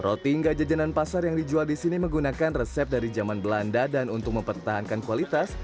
roti enggak jajanan pasar yang dijual di sini menggunakan resep dari zaman belanda dan untuk mempertahankan kualitas